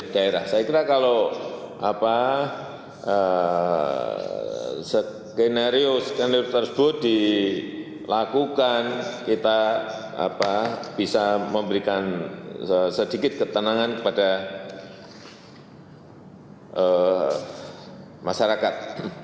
saya kira kalau skenario skenario tersebut dilakukan kita bisa memberikan sedikit ketenangan kepada masyarakat